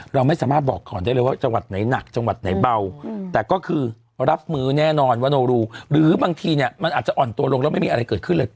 เราไม่สามารถบอกก่อนได้เลยว่าจังหวัดไหนหนักจังหวัดไหนเบาแต่ก็คือรับมือแน่นอนว่าโนรูหรือบางทีเนี่ยมันอาจจะอ่อนตัวลงแล้วไม่มีอะไรเกิดขึ้นเลย